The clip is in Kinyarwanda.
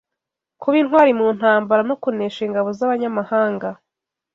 kuba intwari mu ntambara, no kunesha ingabo z’abanyamahanga.